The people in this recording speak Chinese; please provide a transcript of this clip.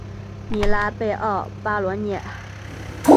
米拉贝奥巴罗涅。